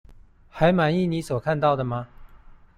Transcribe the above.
還滿意你所看到的嗎？